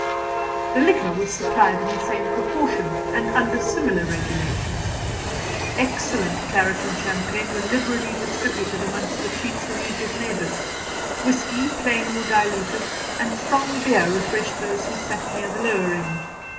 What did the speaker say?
The liquor was supplied in the same proportion, and under similar regulations. Excellent claret and champagne were liberally distributed among the Chief's immediate neighbours; whisky, plain or diluted, and strong beer refreshed those who sat near the lower end.